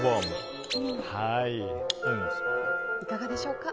いかがでしょうか？